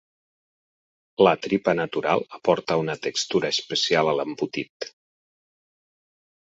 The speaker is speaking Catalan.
La tripa natural aporta una textura especial a l'embotit.